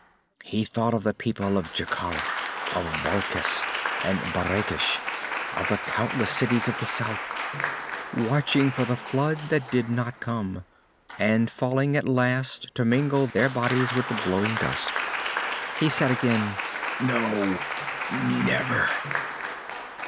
He thought of the people of Jekkara and Valkis and Barrakesh, of the countless cities of the south, watching for the flood that did not come, and falling at last to mingle their bodies with the blowing dust. He said again, "No. Never."